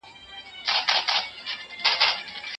هغه وویل چې کار یې ډېر خطرناک دی.